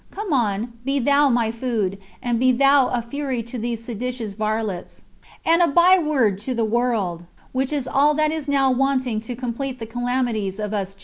Come on; be thou my food, and be thou a fury to these seditious varlets, and a by word to the world, which is all that is now wanting to complete the calamities of us Jews."